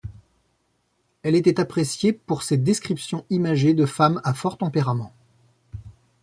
Elle était appréciée pour ses descriptions imagées de femmes à fort tempérament.